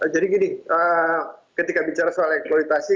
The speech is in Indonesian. jadi gini ketika bicara soal eksploitasi